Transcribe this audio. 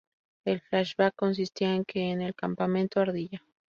El flashback consistía en que en el campamento ardilla.